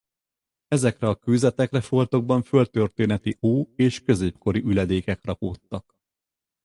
Ezekre a kőzetekre foltokban földtörténeti ó- és középkori üledékek rakódtak.